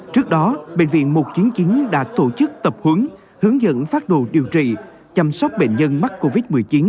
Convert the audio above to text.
trước đó bệnh viện một chiến chiến đã tổ chức tập huấn hướng dẫn phát đồ điều trị chăm sóc bệnh nhân mắc covid một mươi chín